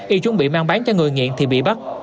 y chuẩn bị mang bán cho người nghiện thì bị bắt